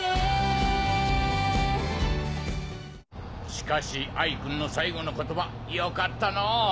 しかし哀君の最後の言葉よかったのぉ！